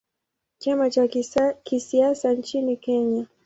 Chama cha kisiasa nchini Kenya.